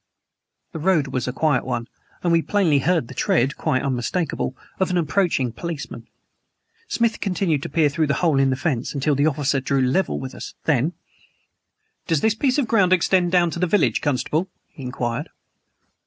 The road was a quiet one, and we plainly heard the tread quite unmistakable of an approaching policeman. Smith continued to peer through the hole in the fence, until the officer drew up level with us. Then: "Does this piece of ground extend down to the village, constable?" he inquired.